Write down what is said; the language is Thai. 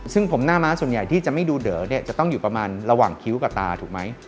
ซึ่งผมหน้าม้าส่วนใหญ่ที่จะไม่ดูเด๋อเนี่ยจะต้องอยู่ประมาณระหว่างคิ้วกับตาถูกไหม